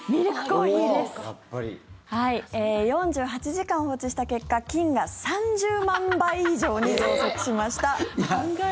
４８時間放置した結果菌が３０万倍以上に増殖しました。